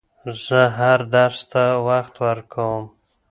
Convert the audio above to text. زه هر درس ته وخت ورکووم.